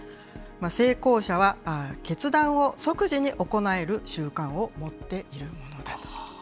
成功者は決断を即時に行える習慣を持っているものだと。